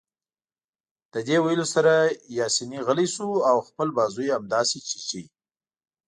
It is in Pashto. له دې ویلو سره پاسیني غلی شو او خپل بازو يې همداسې چیچه.